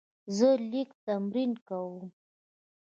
زه لیک تمرین کوم.